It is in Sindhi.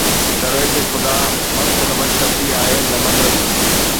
درويش خدا مست نه مشرقي آهي نه مغربي